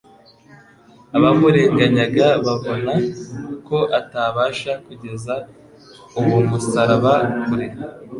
Abamurenganyaga babona ko atabasha kugeza uwo musaraba kure